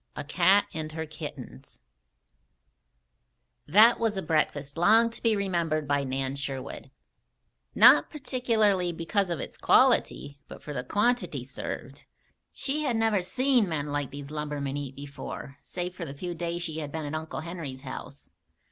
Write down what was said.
A CAT AND HER KITTENS That was a breakfast long to be remembered by Nan Sherwood, not particularly because of its quality, but for the quantity served. She had never seen men like these lumbermen eat before, save for the few days she had been at Uncle Henry's house.